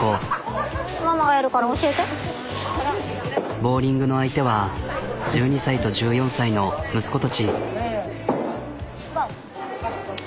ボウリングの相手は１２歳と１４歳の息子たち。